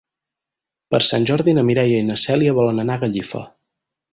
Per Sant Jordi na Mireia i na Cèlia volen anar a Gallifa.